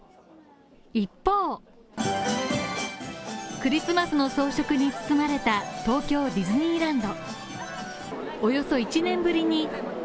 一方、クリスマスの装飾に包まれた東京ディズニーランド。